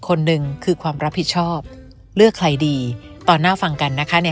คนหนึ่งคือความรับผิดชอบเลือกใครดีตอนหน้าฟังกันนะคะใน